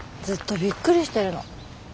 ずっとびっくりしてるの。